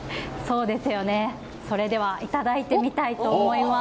それではいただいてみたいと思います。